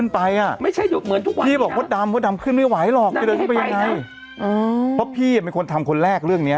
เพราะพี่เป็นคนทำคนแรกเรื่องเนี้ย